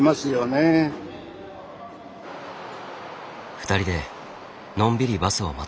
２人でのんびりバスを待つ。